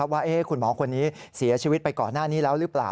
ว่าคุณหมอคนนี้เสียชีวิตไปก่อนหน้านี้แล้วหรือเปล่า